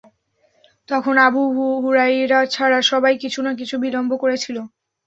তখন আবু হুরাইরা ছাড়া সবাই কিছু না কিছু বিলম্ব করেছিল।